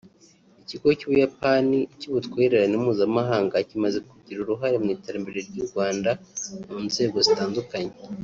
Ikigo cy’u Buyapani cy’ubutwererane mpuzamamahanga kimaze kugira uruhare mu iterambere ry’u Rwanda mu nzego zitandukanye